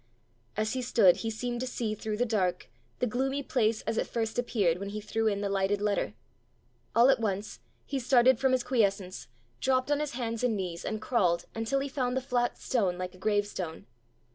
As he stood he seemed to see, through the dark, the gloomy place as it first appeared when he threw in the lighted letter. All at once he started from his quiescence, dropped on his hands and knees, and crawled until he found the flat stone like a gravestone.